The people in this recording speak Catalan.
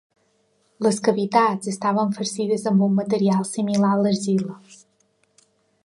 Les cavitats estaven farcides amb un material similar a l'argila.